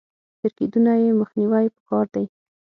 تر کېدونه يې مخنيوی په کار دی.